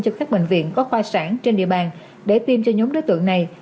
cho các bệnh viện có khoa sản trên địa bàn để tiêm cho nhóm đối tượng này